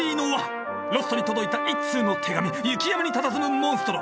ロッソに届いた一通の手紙雪山にたたずむモンストロ。